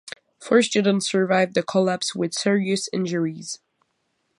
Four students survived the collapse with serious injuries.